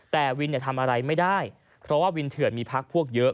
แต่วินทำอะไรไม่ได้เพราะว่าวินเถื่อนมีพักพวกเยอะ